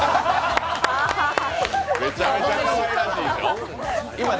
めちゃめちゃかわいらしいよ。